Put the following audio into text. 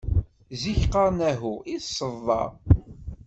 Zik qqaṛen ahu i ṣṣeḍa.